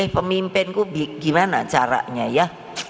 pemimpin ku gimana caranya ya